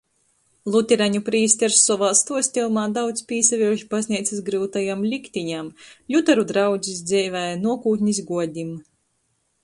Luteraņu prīsters sovā stuostejumā daudz pīsavierš bazneicys gryutajam liktiņam, ļutaru draudzis dzeivei, nuokūtnis guodim.